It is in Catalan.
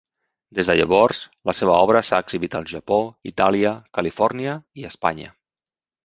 Des de llavors, la seva obra s'ha exhibit al Japó, Itàlia, Califòrnia i Espanya.